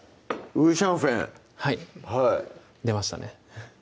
五香粉はい出ましたね